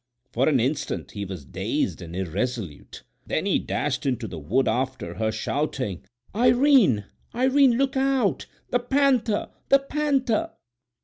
For an instant he was dazed and irresolute; then he dashed into the wood after her, shouting: "Irene, Irene, look out! The panther! The panther!"